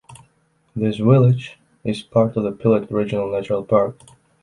This village is part of the Pilat Regional Natural Park.